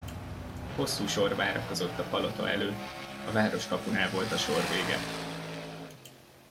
Hosszú sor várakozott a palota előtt, a városkapunál volt a sor vége.